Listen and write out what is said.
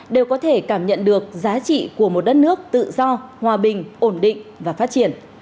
đều có thể cảm nhận được giá trị của một đất nước tự do hòa bình ổn định và phát triển